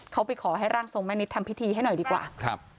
เขาไปขอให้รางศูนย์แม่นิศทำพิธีให้หน่อยดีกว่า